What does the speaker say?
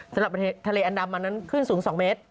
สำหรับทะเลอันดามันนั้นขึ้นสูง๒เมตร